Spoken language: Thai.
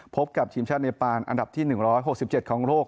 พบกับทีมชาติเนปานอันดับที่๑๖๗ของโลก